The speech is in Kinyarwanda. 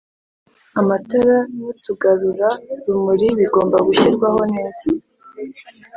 Amatara n'utugarura rumuri bigomba gushyirwaho neza